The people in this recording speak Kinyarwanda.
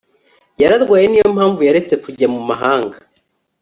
Yararwaye Niyo mpamvu yaretse kujya mu mahanga